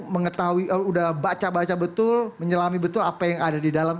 mengetahui udah baca baca betul menyelami betul apa yang ada di dalam